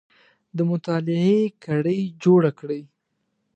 د مطالعې کړۍ جوړې کړئ